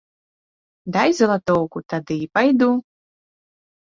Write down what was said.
Дай залатоўку, тады пайду.